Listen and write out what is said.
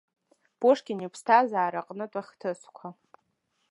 Пушкин иԥсҭазаара аҟнытә ахҭысқәа.